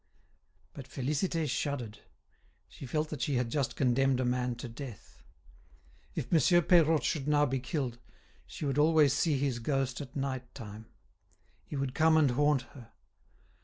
But Félicité shuddered. She felt that she had just condemned a man to death. If Monsieur Peirotte should now be killed, she would always see his ghost at night time. He would come and haunt her.